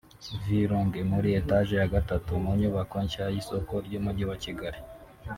V Lounge- Muri Etaje ya gatatu mu nyubako nshya y’isoko ry’Umujyi wa Kigali